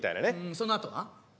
そのあとは？